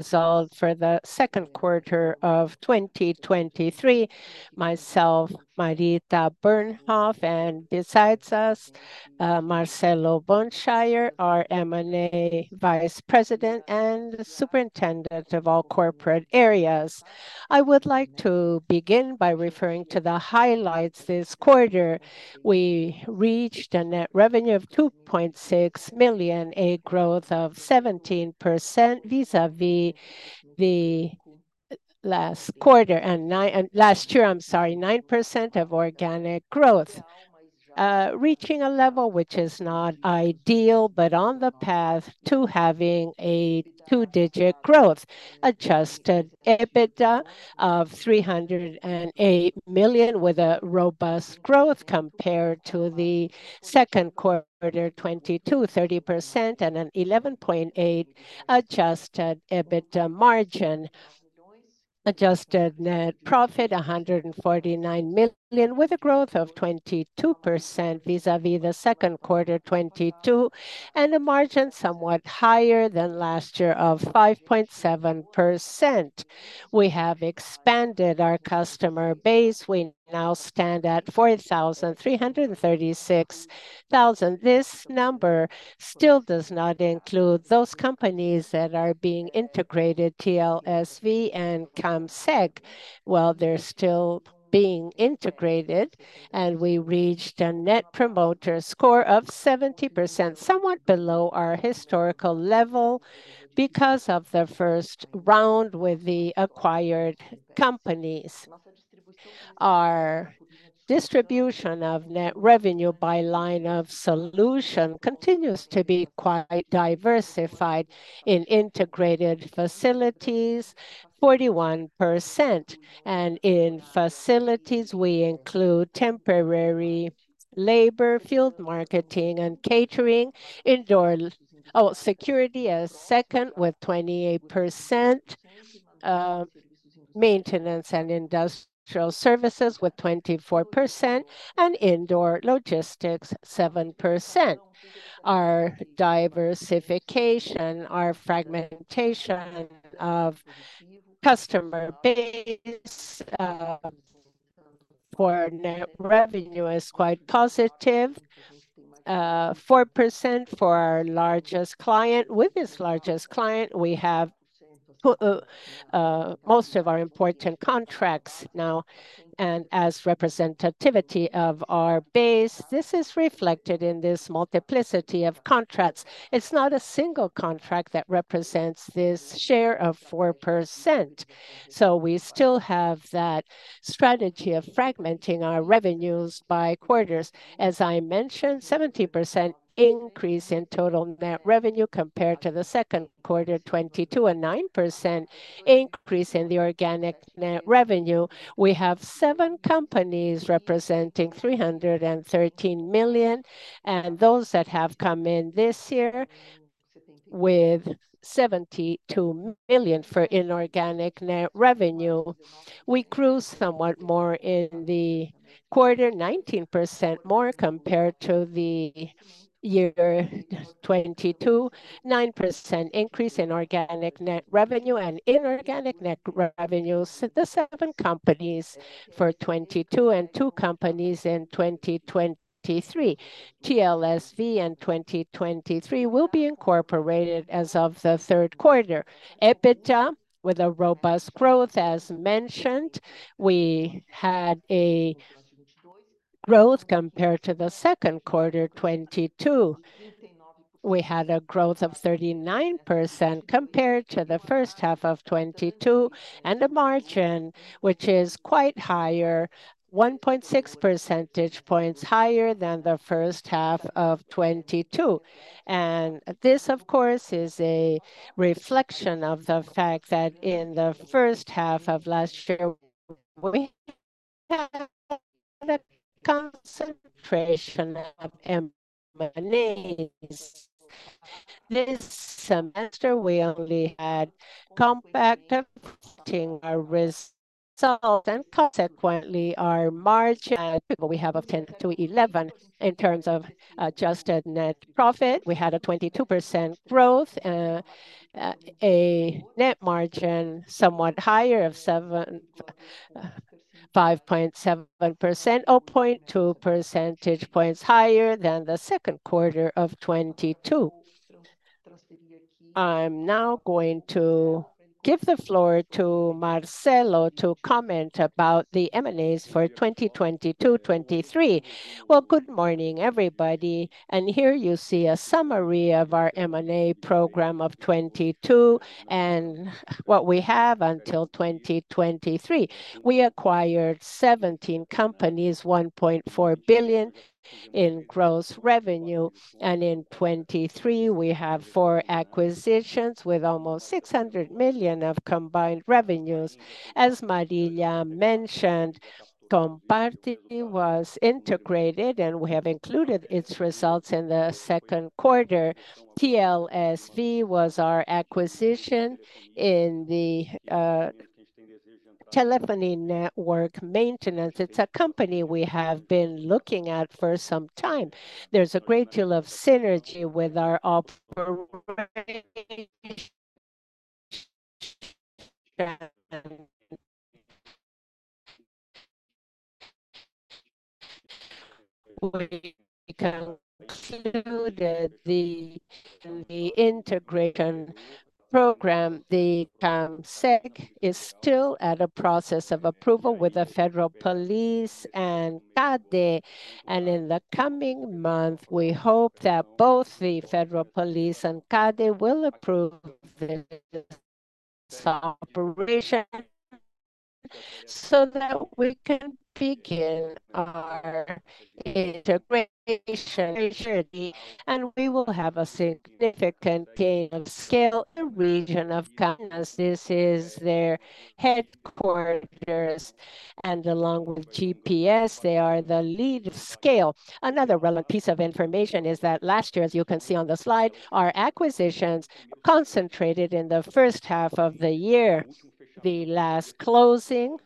Result for the second quarter of 2023. Myself, Marita Bernhoeft, and besides us, Marcelo Boncher, our M&A Vice President and Superintendent of all corporate areas. I would like to begin by referring to the highlights this quarter. We reached a net revenue of 2.6 million, a growth of 17% vis-a-vis the last quarter. Last year, I'm sorry. 9% of organic growth. Reaching a level which is not ideal, but on the path to having a two-digit growth. Adjusted EBITDA of 308 million, with a robust growth compared to the second quarter 2022, 30%, and an 11.8% adjusted EBITDA margin. Adjusted net profit, 149 million, with a growth of 22% vis-a-vis the second quarter 2022, and a margin somewhat higher than last year of 5.7%. We have expanded our customer base. We now stand at 4,336,000. This number still does not include those companies that are being integrated, TLSV and Comseg, while they're still being integrated. We reached a Net Promoter Score of 70%, somewhat below our historical level because of the first round with the acquired companies. Our distribution of net revenue by line of solution continues to be quite diversified. In integrated facilities, 41%, and in facilities we include temporary labor, field marketing, and catering, indoor. Security as second with 28%. Maintenance and industrial services with 24%, and indoor logistics 7%. Our diversification, our fragmentation of customer base, for net revenue is quite positive. 4% for our largest client. With this largest client, we have most of our important contracts now. As representativity of our base, this is reflected in this multiplicity of contracts. It's not a single contract that represents this share of 4%. We still have that strategy of fragmenting our revenues by quarters. As I mentioned, 17% increase in total net revenue compared to the second quarter 2022, a 9% increase in the organic net revenue. We have seven companies representing 313 million, and those that have come in this year with 72 million for inorganic net revenue. We grew somewhat more in the quarter, 19% more compared to the year 2022. 9% increase in organic net revenue, and inorganic net revenue the seven companies for 2022 and two companies in 2023. TLSV in 2023 will be incorporated as of the third quarter. EBITDA with a robust growth, as mentioned. We had a growth compared to the second quarter 2022. We had a growth of 39% compared to the first half of 2022, and a margin which is quite higher, 1.6 percentage points higher than the first half of 2022. This, of course, is a reflection of the fact that in the first half of last year we had a concentration of M&As. This semester we only had Compart affecting our result, and consequently our margin. We have a 10-11 in terms of adjusted net profit. We had a 22% growth. A net margin somewhat higher, of 5.7%, or 0.2 percentage points higher than the second quarter of 2022. I'm now going to give the floor to Marcelo to comment about the M&As for 2022, 2023. Well, good morning, everybody, here you see a summary of our M&A program of 2022 and what we have until 2023. We acquired 17 companies, 1.4 billion in gross revenue. In 2023, we have four acquisitions, with almost 600 million of combined revenues. As Marita mentioned, Compart was integrated, we have included its results in the second quarter. TLSV was our acquisition in the Telephony network maintenance. It's a company we have been looking at for some time. There's a great deal of synergy with our operations. We concluded the integration program. Comseg is still at a process of approval with the Federal Police and CADE, in the coming month, we hope that both the Federal Police and CADE will approve this operation so that we can begin our integration. We will have a significant gain of scale in the region of Kansas. This is their headquarters, and along with GPS, they are the lead scale. Another relevant piece of information is that last year, as you can see on the slide, our acquisitions concentrated in the first half of the year. The last closing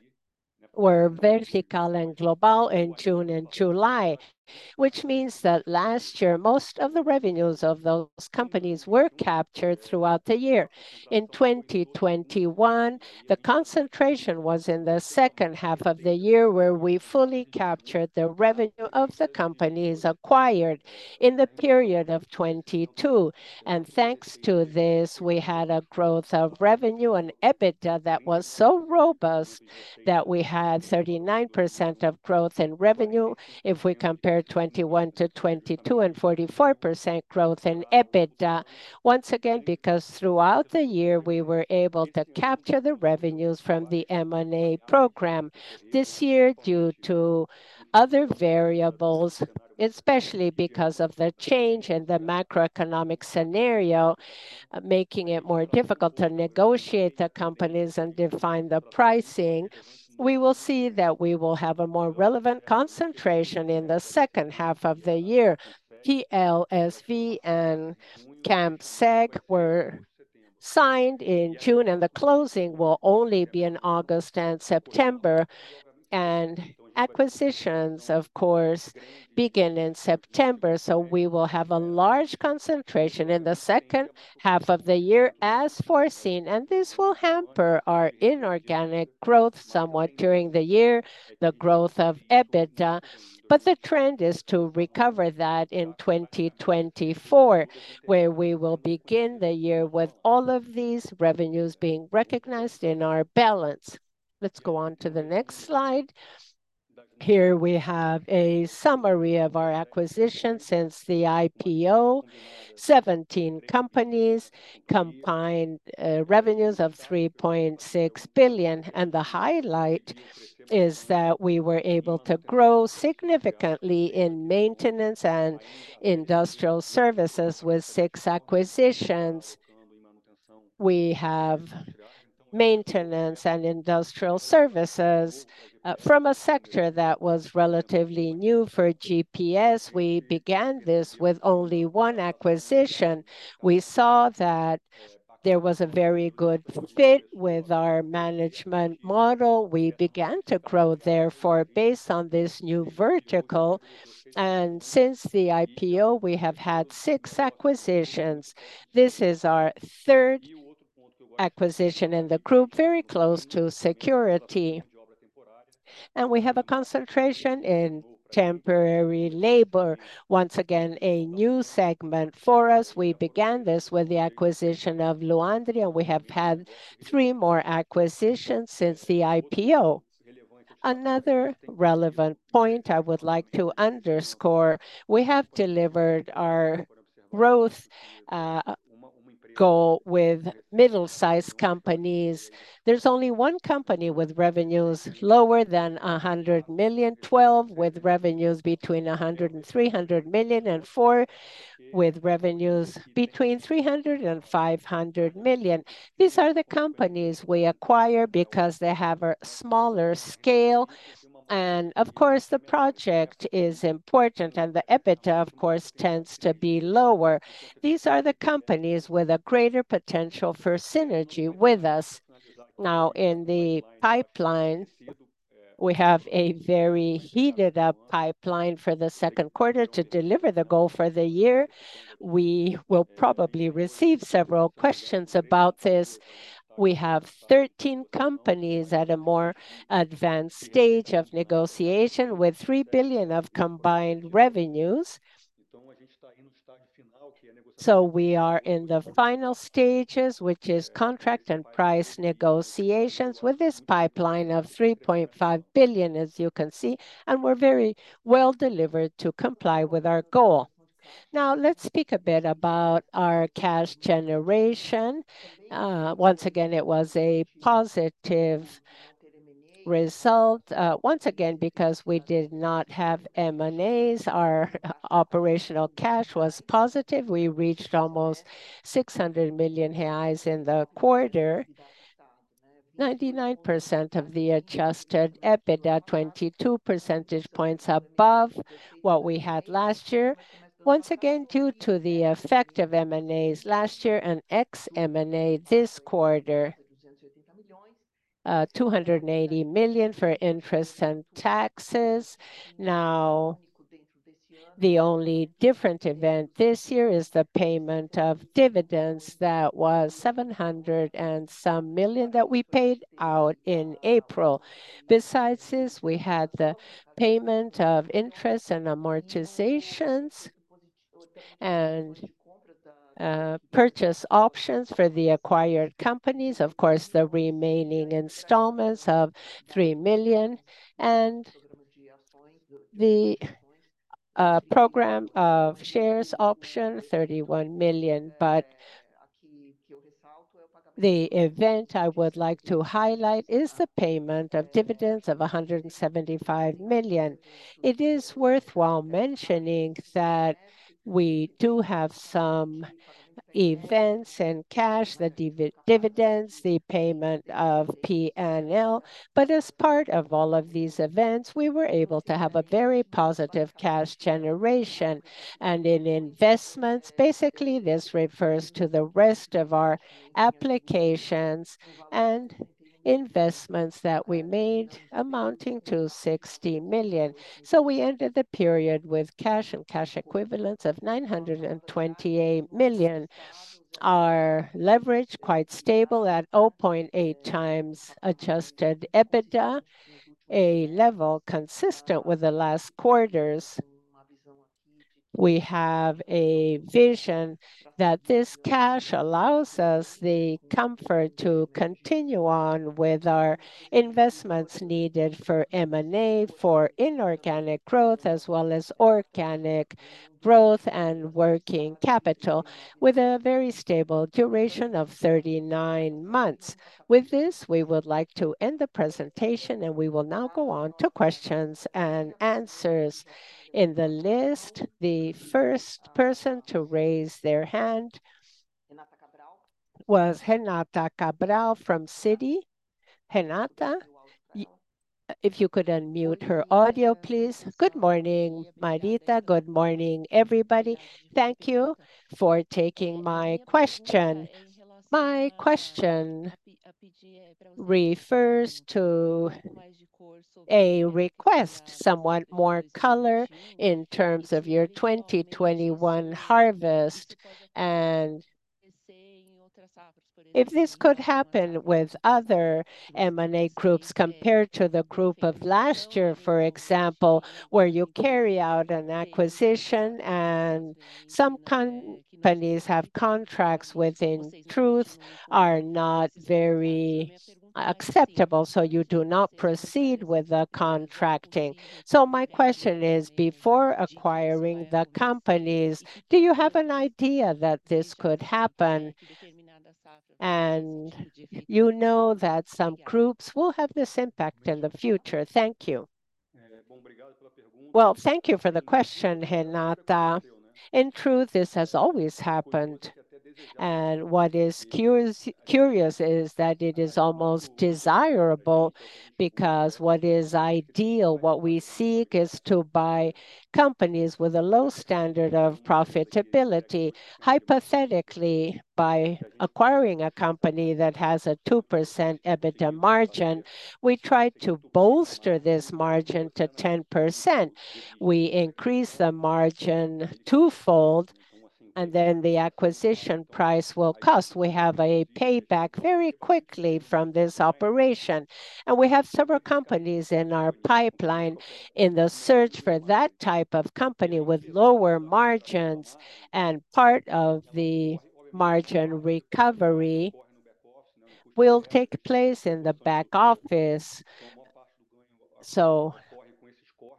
were Vertical and Global in June and July, which means that last year, most of the revenues of those companies were captured throughout the year. In 2021, the concentration was in the second half of the year, where we fully captured the revenue of the companies acquired in the period of 2022. Thanks to this, we had a growth of revenue and EBITDA that was so robust that we had 39% of growth in revenue if we compare 2021 to 2022, and 44% growth in EBITDA, once again, because throughout the year, we were able to capture the revenues from the M&A program. This year, due to other variables, especially because of the change in the macroeconomic scenario, making it more difficult to negotiate the companies and define the pricing, we will see that we will have a more relevant concentration in the second half of the year. TLSV and Comseg were signed in June, and the closing will only be in August and September. Acquisitions, of course, begin in September. We will have a large concentration in the second half of the year as foreseen, and this will hamper our inorganic growth somewhat during the year, the growth of EBITDA. The trend is to recover that in 2024, where we will begin the year with all of these revenues being recognized in our balance. Let's go on to the next slide. Here we have a summary of our acquisitions since the IPO. 17 companies, combined, revenues of 3.6 billion. The highlight is that we were able to grow significantly in maintenance and industrial services with six acquisitions. We have maintenance and industrial services from a sector that was relatively new for GPS. We began this with only one acquisition. We saw that there was a very good fit with our management model. We began to grow therefore based on this new vertical. Since the IPO, we have had six acquisitions. This is our third acquisition in the group, very close to security. We have a concentration in temporary labor. Once again, a new segment for us. We began this with the acquisition of Luandre, and we have had three more acquisitions since the IPO. Another relevant point I would like to underscore, we have delivered our growth goal with middle-sized companies. There's only one company with revenues lower than 100 million, 12 with revenues between 100 million-300 million, and four with revenues between 300 million- 500 million. These are the companies we acquire because they have a smaller scale, and of course, the project is important, and the EBITDA, of course, tends to be lower. These are the companies with a greater potential for synergy with us. In the pipeline, we have a very heated-up pipeline for the second quarter to deliver the goal for the year. We will probably receive several questions about this. We have 13 companies at a more advanced stage of negotiation with 3 billion of combined revenues. We are in the final stages, which is contract and price negotiations with this pipeline of 3.5 billion, as you can see, and we're very well delivered to comply with our goal. Let's speak a bit about our cash generation. Once again, it was a positive result. Once again, because we did not have M&As, our operational cash was positive. We reached almost 600 million reais in the quarter, 99% of the adjusted EBITDA, 22 percentage points above what we had last year. Once again, due to the effect of M&As last year and ex M&A this quarter. 280 million for interest and taxes. Now, the only different event this year is the payment of dividends that was 700 and some million that we paid out in April. Besides this, we had the payment of interest and amortizations and purchase options for the acquired companies. Of course, the remaining installments of 3 million and the program of shares option, 31 million. The event I would like to highlight is the payment of dividends of 175 million. It is worthwhile mentioning that we do have some events in cash, the dividends, the payment of P&L. As part of all of these events, we were able to have a very positive cash generation. In investments, basically this refers to the rest of our applications and investments that we made amounting to 60 million. We ended the period with cash and cash equivalents of 928 million. Our leverage quite stable at 0.8x adjusted EBITDA, a level consistent with the last quarters. We have a vision that this cash allows us the comfort to continue on with our investments needed for M&A for inorganic growth as well as organic growth and working capital with a very stable duration of 39 months. With this, we would like to end the presentation, and we will now go on to questions-and-answers. In the list, the first person to raise their hand was Renata Cabral from Citi. Renata, if you could unmute her audio, please. Good morning, Marita. Good morning, everybody. Thank you for taking my question. My question refers to a request, somewhat more color in terms of your 2021 harvest. If this could happen with other M&A groups compared to the group of last year, for example, where you carry out an acquisition and some companies have contracts which in truth are not very acceptable, you do not proceed with the contracting. My question is, before acquiring the companies, do you have an idea that this could happen and you know that some groups will have this impact in the future? Thank you. Thank you for the question, Renata. In truth, this has always happened, and what is curious is that it is almost desirable because what is ideal, what we seek is to buy companies with a low standard of profitability. Hypothetically, by acquiring a company that has a 2% EBITDA margin, we try to bolster this margin to 10%. We increase the margin twofold and then the acquisition price will cost. We have a payback very quickly from this operation, and we have several companies in our pipeline in the search for that type of company with lower margins and part of the margin recovery will take place in the back office.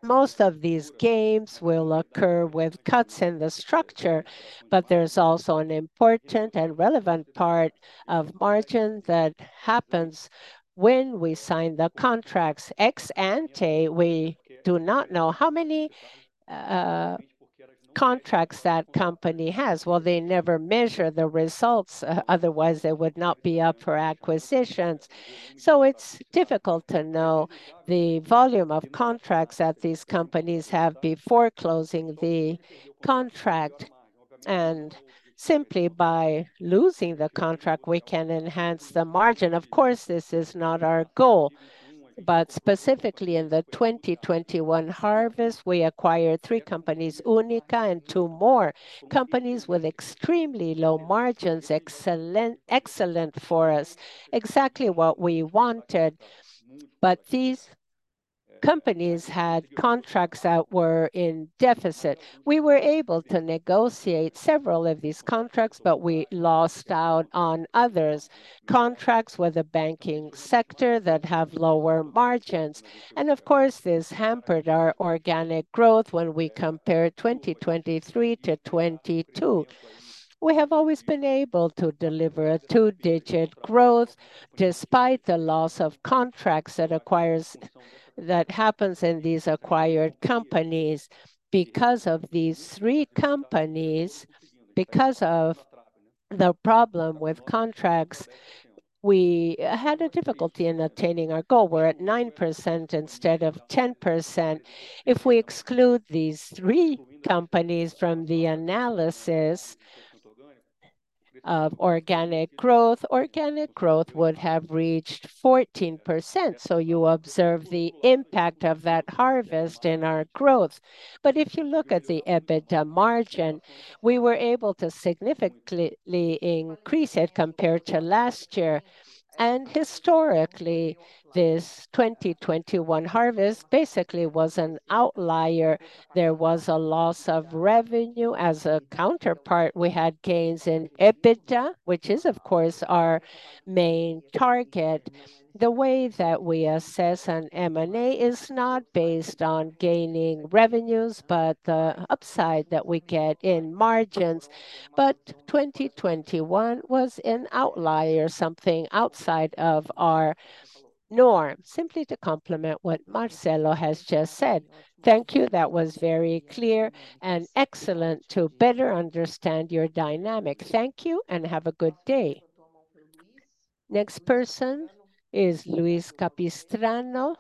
Most of these gains will occur with cuts in the structure, but there's also an important and relevant part of margin that happens when we sign the contracts. Ex-ante, we do not know how many contracts that company has. Well, they never measure the results, otherwise they would not be up for acquisitions. It's difficult to know the volume of contracts that these companies have before closing the contract, and simply by losing the contract, we can enhance the margin. Of course, this is not our goal. Specifically in the 2021 harvest, we acquired three companies, Única and two more, companies with extremely low margins, excellent for us, exactly what we wanted. These companies had contracts that were in deficit. We were able to negotiate several of these contracts, but we lost out on others. Contracts with the banking sector that have lower margins. Of course, this hampered our organic growth when we compare 2023 to 2022. We have always been able to deliver a two-digit growth despite the loss of contracts that happens in these acquired companies. Because of these three companies, because of the problem with contracts, we had a difficulty in attaining our goal. We're at 9% instead of 10%. If we exclude these three companies from the analysis of organic growth. Organic growth would have reached 14%, so you observe the impact of that harvest in our growth. If you look at the EBITDA margin, we were able to significantly increase it compared to last year. Historically, this 2021 harvest basically was an outlier. There was a loss of revenue. As a counterpart, we had gains in EBITDA, which is, of course, our main target. The way that we assess an M&A is not based on gaining revenues, but the upside that we get in margins. 2021 was an outlier, something outside of our norm. Simply to complement what Marcelo has just said. Thank you. That was very clear and excellent to better understand your dynamic. Thank you, and have a good day. Next person is Luis Capistrano,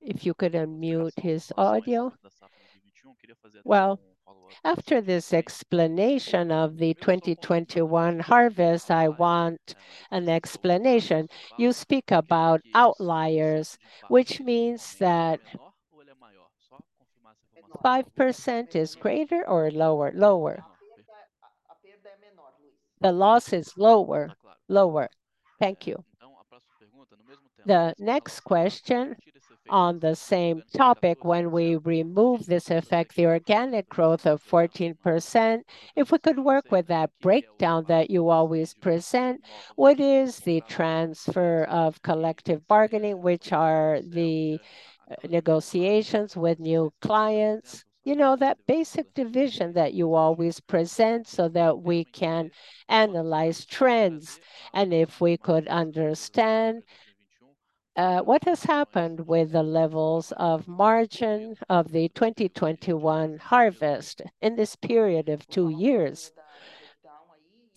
if you could unmute his audio. Well, after this explanation of the 2021 harvest, I want an explanation. You speak about outliers, which means that 5% is greater or lower? Lower. The loss is lower. Lower. Thank you. The next question on the same topic, when we remove this effect, the organic growth of 14%, if we could work with that breakdown that you always present, what is the transfer of collective bargaining, which are the negotiations with new clients? You know, that basic division that you always present so that we can analyze trends. If we could understand what has happened with the levels of margin of the 2021 harvest in this period of two years.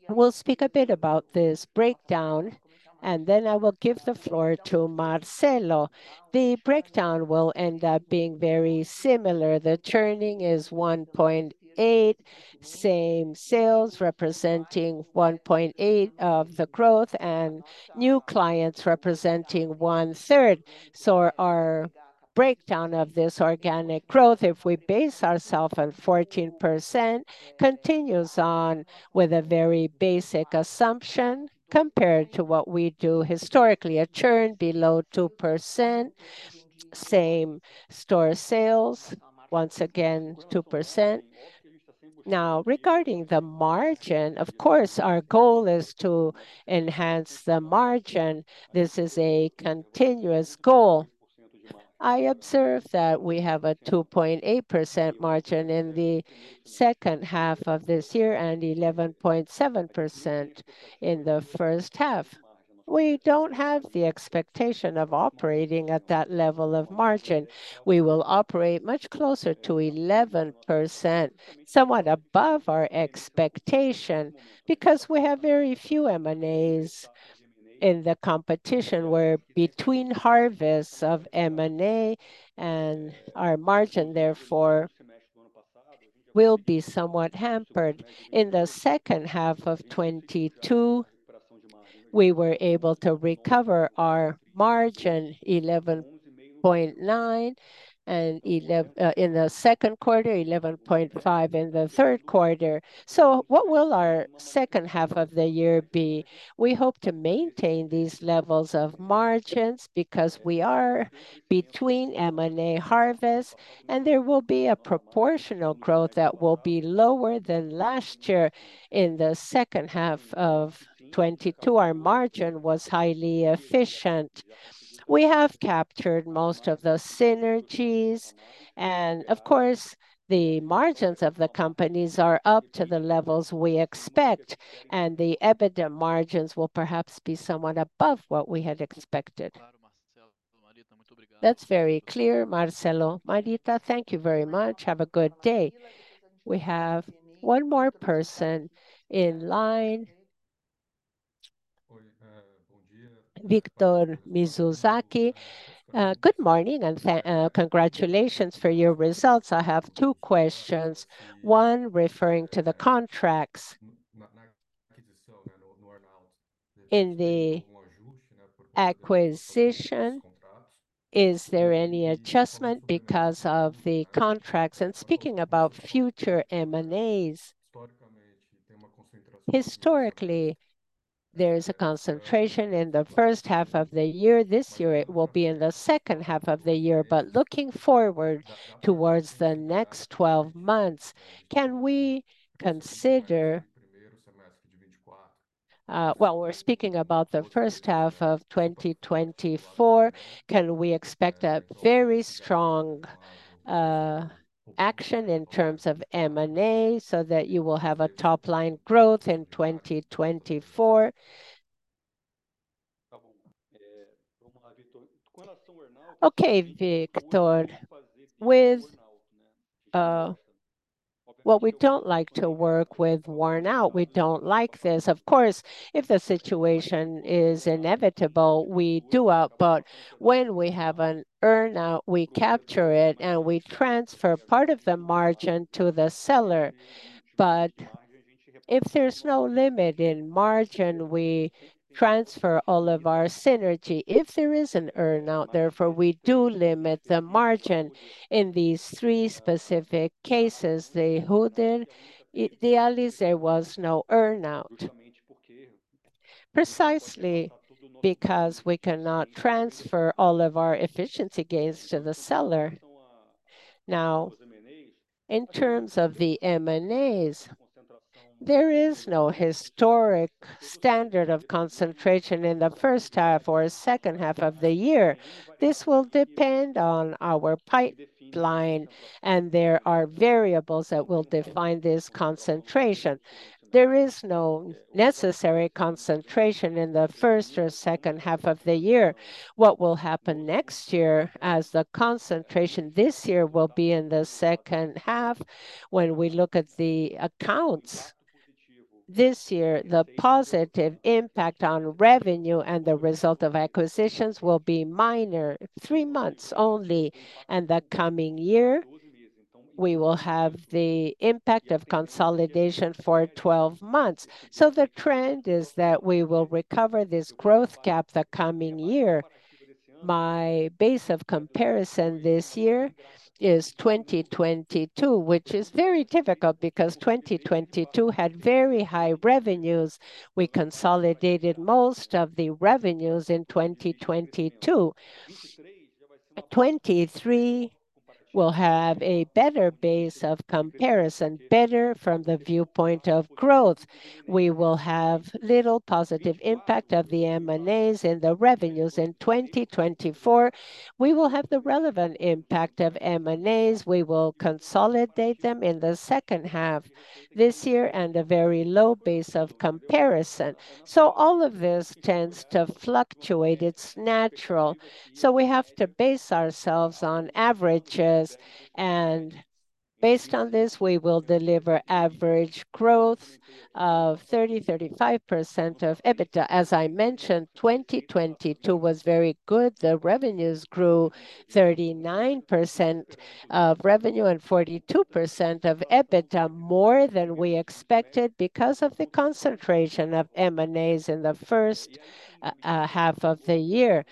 We'll speak a bit about this breakdown, and then I will give the floor to Marcelo. The breakdown will end up being very similar. The churning is 1.8%, same-store sales representing 1.8% of the growth, and new clients representing 1/3. Our breakdown of this organic growth, if we base ourself on 14%, continues on with a very basic assumption compared to what we do historically. A churn below 2%, same-store sales, once again 2%. Regarding the margin, of course, our goal is to enhance the margin. This is a continuous goal. I observe that we have a 2.8% margin in the second half of this year and 11.7% in the first half. We don't have the expectation of operating at that level of margin. We will operate much closer to 11%, somewhat above our expectation, because we have very few M&As in the competition, where between harvests of M&A and our margin therefore will be somewhat hampered. In the second half of 2022, we were able to recover our margin, 11.9% in the second quarter, 11.5% in the third quarter. What will our second half of the year be? We hope to maintain these levels of margins because we are between M&A harvests, and there will be a proportional growth that will be lower than last year. In the second half of 2022, our margin was highly efficient. We have captured most of the synergies, and of course, the margins of the companies are up to the levels we expect, and the EBITDA margins will perhaps be somewhat above what we had expected. That's very clear, Marcelo. Marita thank you very much. Have a good day. We have one more person in line. Victor Mizusaki. Good morning and congratulations for your results. I have two questions, one referring to the contracts. In the acquisition, is there any adjustment because of the contracts? Speaking about future M&As, historically there is a concentration in the first half of the year. This year it will be in the second half of the year. Looking forward towards the next 12 months, can we consider, we're speaking about the first half of 2024. Can we expect a very strong action in terms of M&A so that you will have a top-line growth in 2024? Okay, Victor. With, we don't like to work with earn-out. We don't like this. Of course, if the situation is inevitable, we do it. When we have an earn-out, we capture it, and we transfer part of the margin to the seller. If there's no limit in margin, we transfer all of our synergy. If there is an earn-out, therefore, we do limit the margin in these three specific cases. The Houded, the Allis, there was no earn-out. Precisely because we cannot transfer all of our efficiency gains to the seller. Now, in terms of the M&As, there is no historic standard of concentration in the first half or second half of the year. This will depend on our pipeline, and there are variables that will define this concentration. There is no necessary concentration in the first or second half of the year. What will happen next year as the concentration this year will be in the second half when we look at the accounts. This year, the positive impact on revenue and the result of acquisitions will be minor, three months only, and the coming year, we will have the impact of consolidation for 12 months. The trend is that we will recover this growth gap the coming year. My base of comparison this year is 2022, which is very difficult because 2022 had very high revenues. We consolidated most of the revenues in 2022. 2023 will have a better base of comparison, better from the viewpoint of growth. We will have little positive impact of the M&As in the revenues in 2024. We will have the relevant impact of M&As. We will consolidate them in the second half this year and a very low base of comparison. All of this tends to fluctuate. It's natural. We have to base ourselves on averages, and based on this, we will deliver average growth of 30%-35% of EBITDA. As I mentioned, 2022 was very good. The revenues grew 39% of revenue and 42% of EBITDA, more than we expected because of the concentration of M&As in the first half of the year.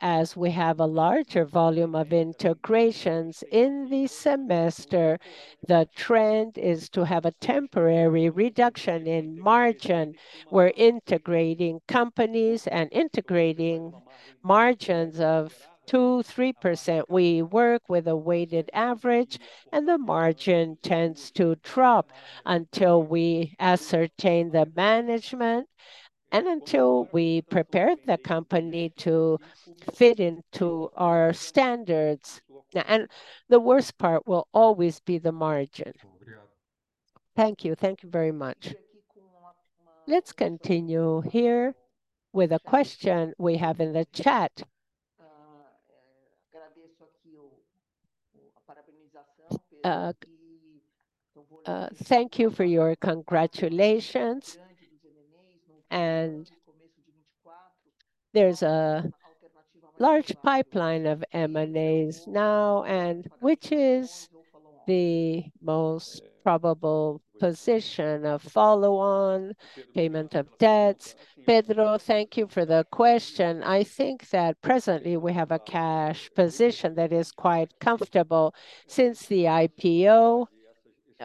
As we have a larger volume of integrations in the semester, the trend is to have a temporary reduction in margin. We're integrating companies and integrating margins of 2%-3%. We work with a weighted average, and the margin tends to drop until we ascertain the management and until we prepare the company to fit into our standards. The worst part will always be the margin. Thank you. Thank you very much. Let's continue here with a question we have in the chat. Thank you for your congratulations. There's a large pipeline of M&As now, and which is the most probable position of follow-on payment of debts. Pedro, thank you for the question. I think that presently we have a cash position that is quite comfortable. Since the IPO,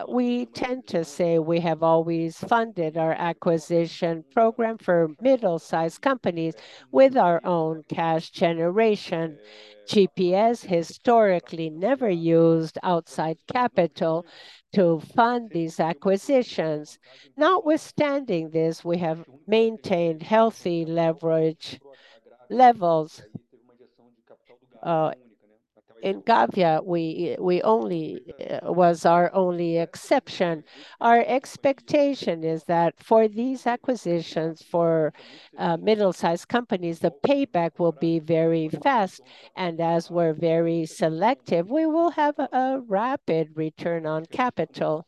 we tend to say we have always funded our acquisition program for middle-sized companies with our own cash generation. GPS historically never used outside capital to fund these acquisitions. Notwithstanding this, we have maintained healthy leverage levels. In Gávea was our only exception. Our expectation is that for these acquisitions, for middle-sized companies, the payback will be very fast, and as we're very selective, we will have a rapid return on capital.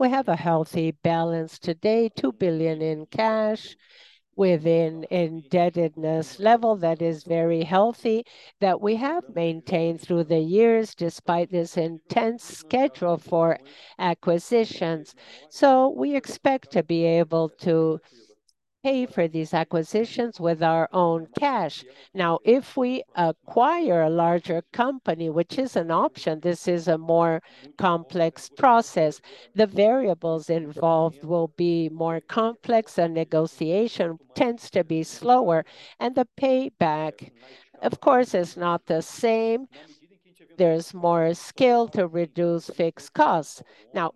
We have a healthy balance today, 2 billion in cash, with an indebtedness level that is very healthy that we have maintained through the years despite this intense schedule for acquisitions. We expect to be able to pay for these acquisitions with our own cash. If we acquire a larger company, which is an option, this is a more complex process. The variables involved will be more complex, and negotiation tends to be slower. The payback, of course, is not the same. There's more skill to reduce fixed costs.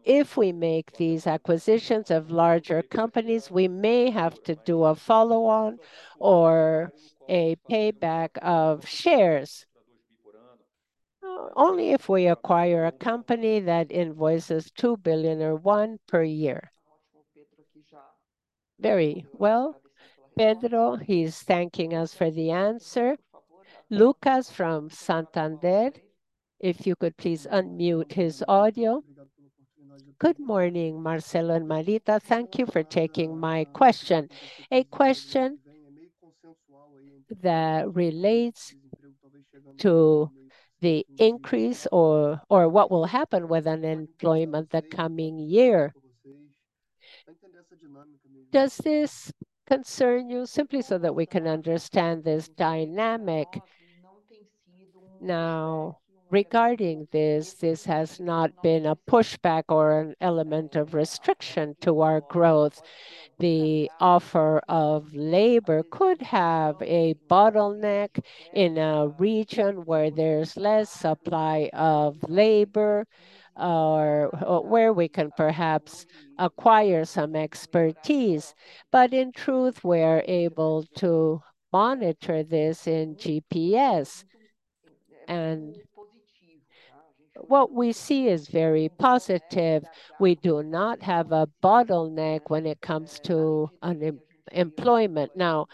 If we make these acquisitions of larger companies, we may have to do a follow-on or a payback of shares. Only if we acquire a company that invoices 2 billion or 1 billion per year. Very well. Pedro, he's thanking us for the answer. Lucas from Santander, if you could please unmute his audio. Good morning, Marcelo and Marita. Thank you for taking my question. That relates to the increase or what will happen with unemployment the coming year. Does this concern you? Simply so that we can understand this dynamic. Regarding this has not been a pushback or an element of restriction to our growth. The offer of labor could have a bottleneck in a region where there's less supply of labor or where we can perhaps acquire some expertise. In truth, we're able to monitor this in GPS, and what we see is very positive. We do not have a bottleneck when it comes to employment. Now,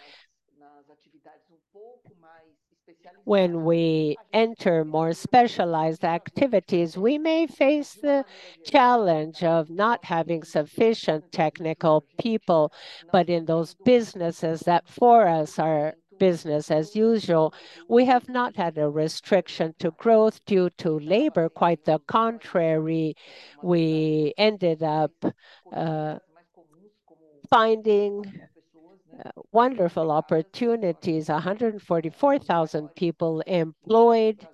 when we enter more specialized activities, we may face the challenge of not having sufficient technical people, but in those businesses that for us are business as usual, we have not had a restriction to growth due to labor. Quite the contrary, we ended up finding wonderful opportunities, 144,000 people employed.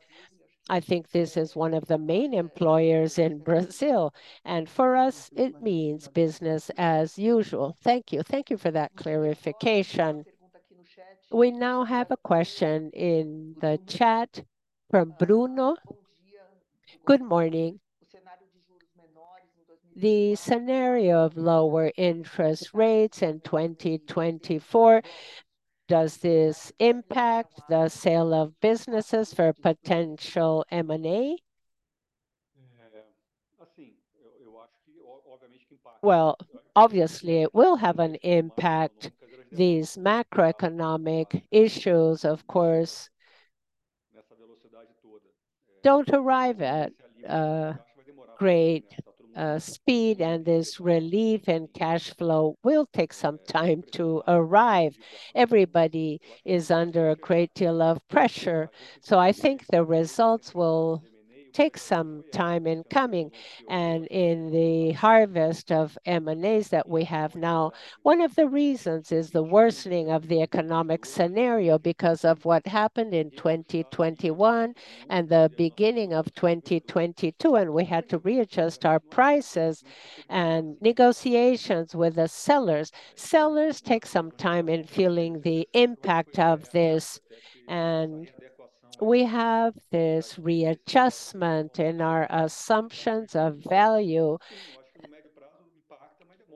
I think this is one of the main employers in Brazil, and for us it means business as usual. Thank you. Thank you for that clarification. We now have a question in the chat from Bruno. Good morning. The scenario of lower interest rates in 2024, does this impact the sale of businesses for potential M&A? Obviously, it will have an impact. These macroeconomic issues, of course, don't arrive at great speed, and this relief and cash flow will take some time to arrive. Everybody is under a great deal of pressure. I think the results will take some time in coming and in the harvest of M&As that we have now. One of the reasons is the worsening of the economic scenario because of what happened in 2021 and the beginning of 2022, and we had to readjust our prices and negotiations with the sellers. Sellers take some time in feeling the impact of this, and we have this readjustment in our assumptions of value.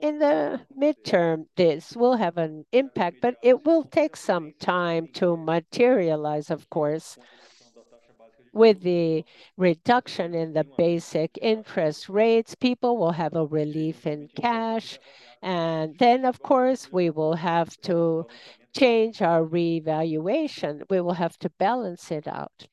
In the midterm, this will have an impact, but it will take some time to materialize, of course. With the reduction in the basic interest rates, people will have a relief in cash, and then, of course, we will have to change our revaluation. We will have to balance it out.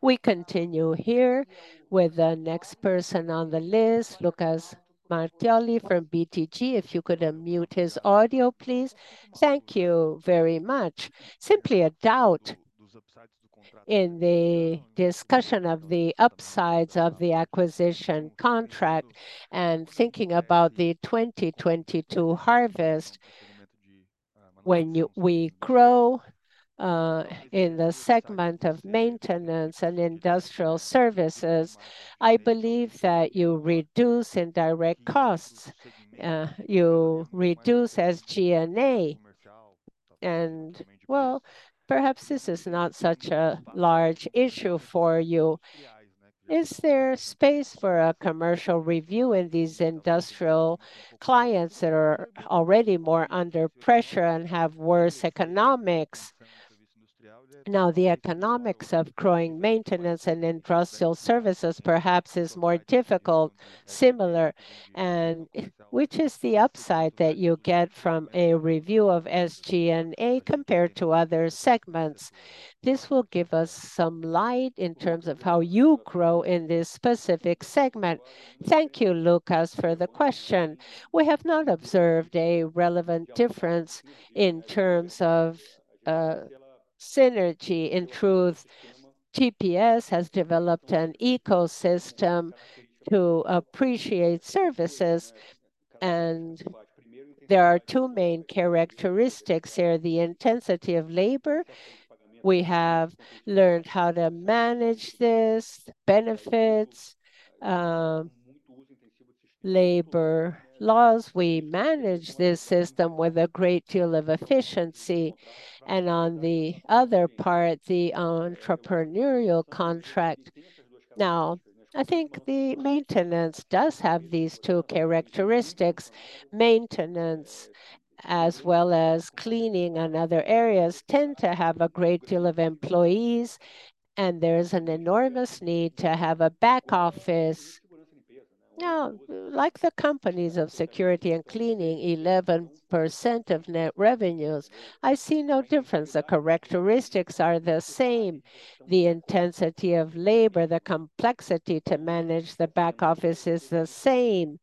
We continue here with the next person on the list, Lucas Marquiori from BTG, if you could unmute his audio, please. Thank you very much. Simply a doubt in the discussion of the upsides of the acquisition contract and thinking about the 2022 harvest. When we grow in the segment of maintenance and industrial services, I believe that you reduce in direct costs, you reduce SG&A. Well, perhaps this is not such a large issue for you. Is there space for a commercial review in these industrial clients that are already more under pressure and have worse economics? Now, the economics of growing maintenance and industrial services perhaps is more difficult, similar, and which is the upside that you get from a review of SG&A compared to other segments? This will give us some light in terms of how you grow in this specific segment. Thank you, Lucas, for the question. We have not observed a relevant difference in terms of synergy. In truth, GPS has developed an ecosystem to appreciate services. There are two main characteristics here, the intensity of labor. We have learned how to manage this, benefits, labor laws. We manage this system with a great deal of efficiency. On the other part, the entrepreneurial contract. I think the maintenance does have these two characteristics. Maintenance as well as cleaning and other areas tend to have a great deal of employees, and there is an enormous need to have a back office. Like the companies of security and cleaning, 11% of net revenues, I see no difference. The characteristics are the same. The intensity of labor, the complexity to manage the back office is the same.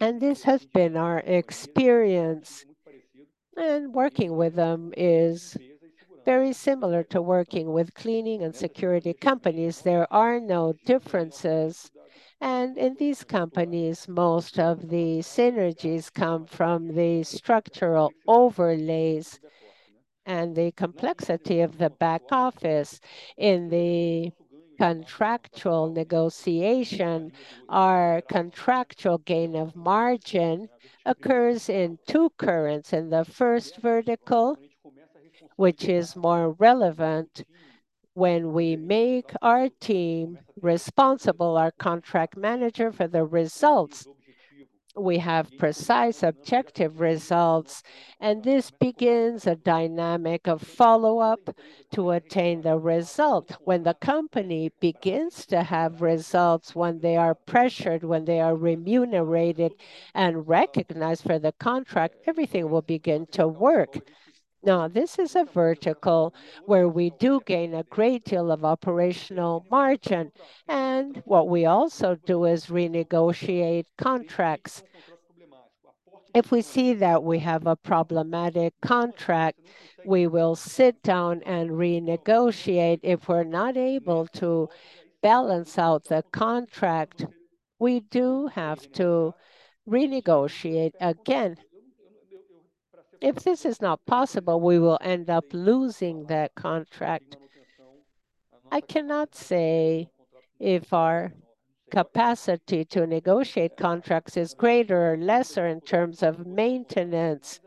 This has been our experience, and working with them is very similar to working with cleaning and security companies. There are no differences. In these companies, most of the synergies come from the structural overlays and the complexity of the back office. In the contractual negotiation, our contractual gain of margin occurs in two currents. In the first vertical, which is more relevant when we make our team responsible, our contract manager for the results. We have precise, objective results, and this begins a dynamic of follow-up to attain the result. When the company begins to have results, when they are pressured, when they are remunerated and recognized for the contract, everything will begin to work. This is a vertical where we do gain a great deal of operational margin, and what we also do is renegotiate contracts. If we see that we have a problematic contract, we will sit down and renegotiate. If we're not able to balance out the contract, we do have to renegotiate again. If this is not possible, we will end up losing that contract. I cannot say if our capacity to negotiate contracts is greater or lesser in terms of maintenance.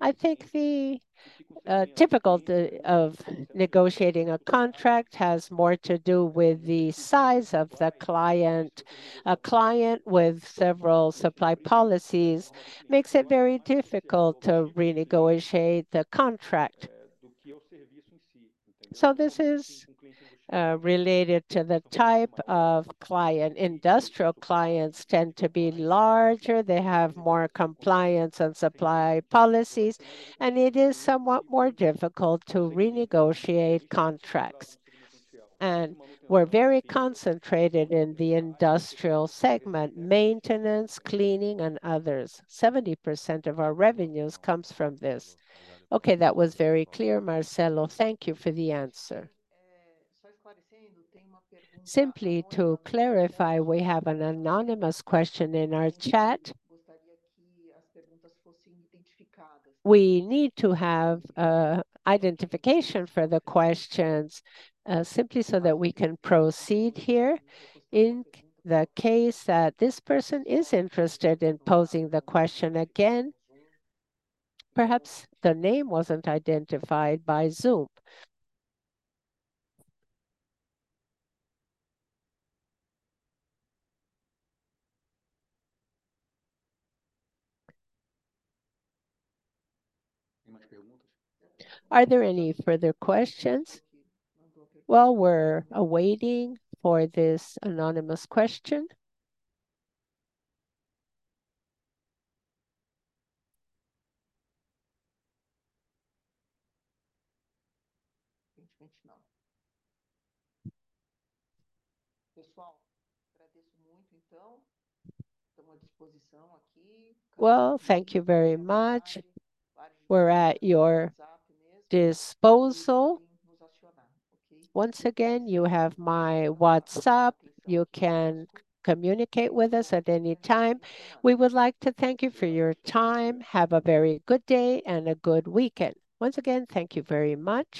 I think the difficulty of negotiating a contract has more to do with the size of the client. A client with several supply policies makes it very difficult to renegotiate the contract. This is related to the type of client. Industrial clients tend to be larger, they have more compliance and supply policies, and it is somewhat more difficult to renegotiate contracts. We're very concentrated in the industrial segment, maintenance, cleaning and others. 70% of our revenues comes from this. Okay, that was very clear, Marcelo. Thank you for the answer. Simply to clarify, we have an anonymous question in our chat. We need to have identification for the questions, simply so that we can proceed here. In the case that this person is interested in posing the question again, perhaps the name wasn't identified by Zoom. Are there any further questions? While we're awaiting for this anonymous question. Well, thank you very much. We're at your disposal. Once again, you have my WhatsApp, you can communicate with us at any time. We would like to thank you for your time. Have a very good day and a good weekend. Once again, thank you very much.